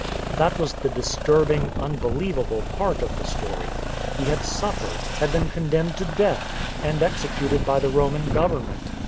That was the disturbing, unbelievable part of the story. He had suffered, had been condemned to death, and executed by the Roman Government.